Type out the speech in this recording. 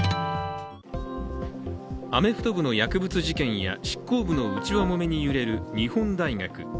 アメフト部の薬物事件や執行部の内輪もめに揺れる日本大学。